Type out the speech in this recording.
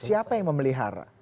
itu yang memelihara